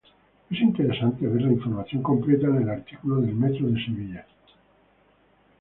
Es interesante ver la información completa en el artículo del Metro de Sevilla.